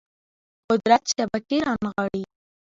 قدرت شبکې رانغاړي